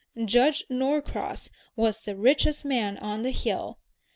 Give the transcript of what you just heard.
Judge Norcross was the richest man on the Hill.